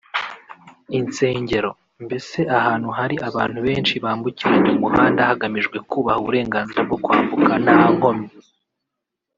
insengero… mbese ahantu hari abantu benshi bambukiranya umuhanda hagamijwe kubaha uburenganzira bwo kwambuka nta nkomyi